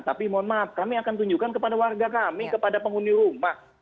tapi mohon maaf kami akan tunjukkan kepada warga kami kepada penghuni rumah